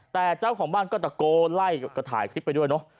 แต่เจ้าของบ้านก็ตะโกนไล่ก็ถ่ายคลิปไปด้วยเนอะ